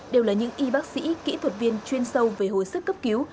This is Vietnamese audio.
đều là những y bác sĩ kỹ thuật viên chuyên sâu về hồi sức cấp cứu